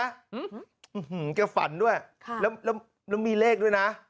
แกฝันด้วยแล้วมีเลขด้วยนะ